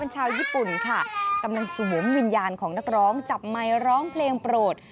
ชาวญี่ปุ่นค่ะกำลังสวมวิญญาณของนักร้องจับไมค์ร้องเพลงโปรด